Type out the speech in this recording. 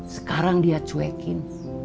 sekarang dia cuekin